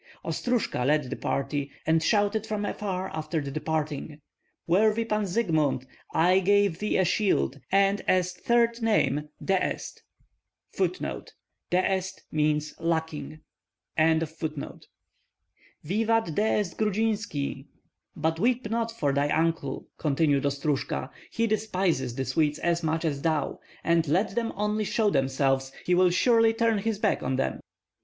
Ostrojka led the party, and shouted from afar after the departing, "Worthy Pan Zygmunt, I give thee a shield, and as third name Deest!" "Vivat Deest Grudzinski!" "But weep not for thy uncle," continued Ostrojka. "He despises the Swedes as much as thou; and let them only show themselves, he will surely turn his back on them."